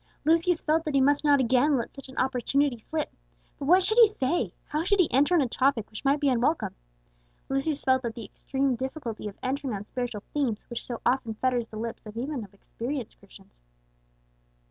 Lucius felt that he must not again let such an opportunity slip. But what should he say, how should he enter on a topic which might be unwelcome? Lucius felt that extreme difficulty of entering on spiritual themes which so often fetters the lips even of experienced Christians.